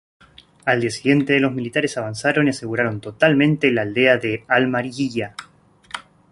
Al día siguiente, los militares avanzaron y aseguraron totalmente la aldea de al-Mari'iyah.